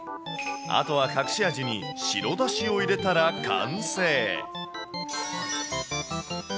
あとは隠し味に白だしを入れたら完成。